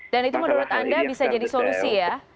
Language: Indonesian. dan itu menurut anda bisa jadi solusi ya